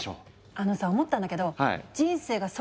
あのさ思ったんだけど。